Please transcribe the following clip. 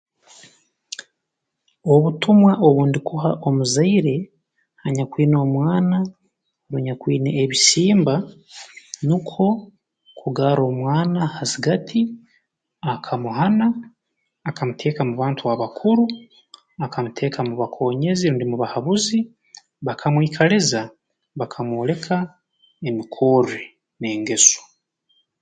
Obutumwa obu ndukuha omuzaire anyakwine omwana anyakwine ebisimba nukwo kugarra omwana ha zigati akamuhana akamuteeka mu bantu abakuru akamuteeka mu bakoonyezi rundi mu bahabuzi bakamwikaliza bakamwoleka emikorre n'engeso